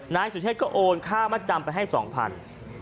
นายสุเชษก็โอนค่ามัดจำไปให้๒๐๐บาท